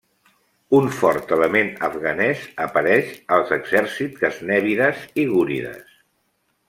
Un fort element afganès apareix als exèrcits gaznèvides i gúrides.